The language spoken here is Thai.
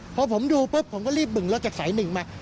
พอผมดูปุ๊บผมก็รีบบึ่งแล้วจะใส่หนึ่งมา